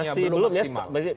masih belum ya